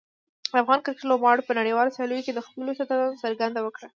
د افغان کرکټ لوبغاړي په نړیوالو سیالیو کې د خپلو استعدادونو څرګندونه کړې ده.